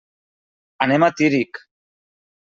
Anem a Tírig.